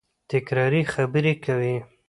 تکراري خبري کوي.